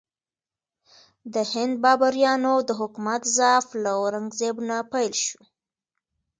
د هند بابریانو د حکومت ضعف له اورنګ زیب نه پیل شو.